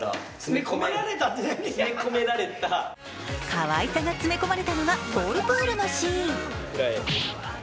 かわいさが詰め込まれたのはボールプールのシーン。